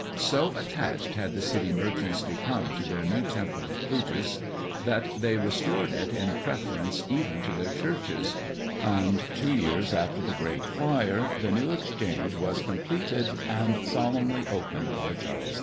So attached had the city merchants become to their new temple of Plutus, that they restored it in preference even to their churches; and, two years after the great fire the New Exchange was completed and solemnly opened by Charles II.